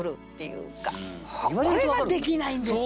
これができないんですよ！